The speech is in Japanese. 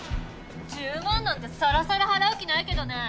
１０万なんてさらさら払う気ないけどね。